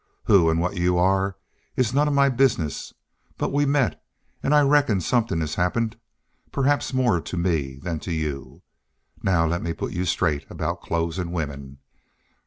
Who an' what you are is none of my business. But we met.... An' I reckon somethin' has happened perhaps more to me than to you.... Now let me put you straight about clothes an' women.